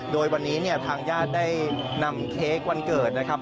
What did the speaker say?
โดยวันนี้เนี่ยทางญาติได้นำเค้กวันเกิดนะครับ